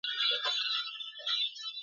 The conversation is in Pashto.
چي کله به کړي بنده کورونا په کرنتین کي!!